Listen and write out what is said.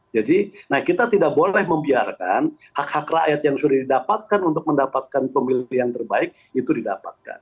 jadi kita tidak boleh membiarkan hak hak rakyat yang sudah didapatkan untuk mendapatkan pemilihan terbaik itu didapatkan